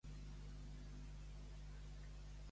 Anar nuet i amb una sinada de cudols.